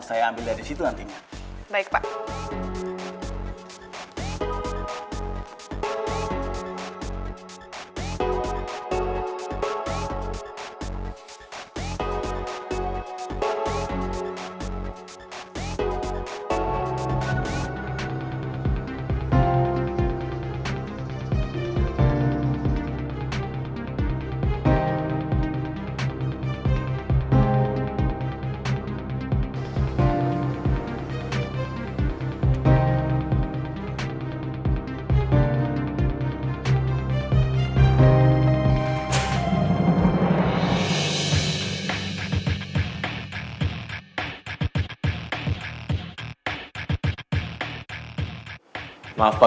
saya ambil dari situ nantinya